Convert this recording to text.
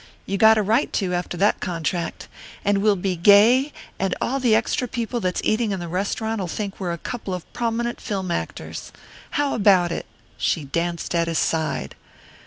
You got a right to, after that contract. And we'll be gay, and all the extra people that's eating in the restaurant'll think we're a couple o' prominent film actors. How about it?" She danced at his side.